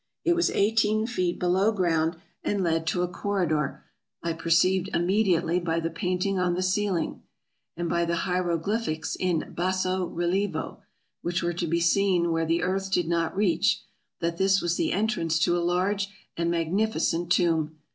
It was eighteen feet below ground and led to a corridor. AFRICA 363 I perceived immediately by the painting on the ceiling, and by the hieroglyphics in basso rilievo, which were to be seen where the earth did not reach, that this was the en trance to a large and magnificent tomb.